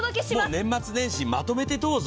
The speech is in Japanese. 年末年始まとめてどうぞ。